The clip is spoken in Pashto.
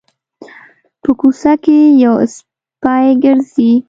په کوڅه کې یو سپی ګرځي